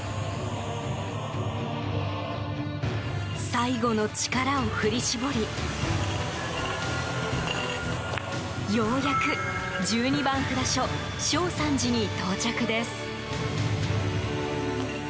最後の力を振り絞りようやく１２番札所焼山寺に到着です。